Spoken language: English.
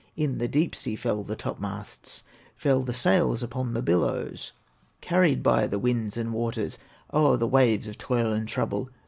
In the deep sea fell the topmasts, Fell the sails upon the billows, Carried by the winds and waters O'er the waves of toil and trouble.